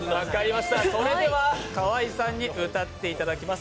それでは河井さんに歌っていただきます。